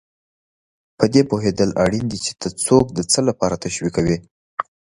په دې پوهېدل اړین دي چې ته څوک د څه لپاره تشویقوې.